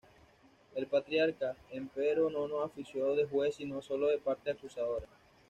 El patriarca, empero, no ofició de juez sino solo de parte acusadora.